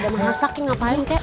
hahaha ada mengesaki ngapain kak